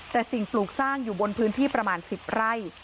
แต่สิ่งปลูกสร้างอยู่บนพื้นที่ประมาณ๑๐ไร่